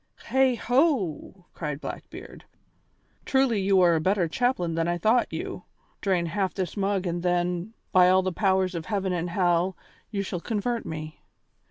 "Heigho!" cried Blackbeard. "Truly you are a better chaplain than I thought you. Drain half this mug and then, by all the powers of heaven and hell, you shall convert me.